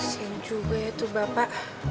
sian juga ya itu bapak